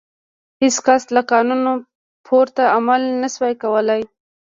هېڅ کس له قانون پورته عمل نه شوای کولای.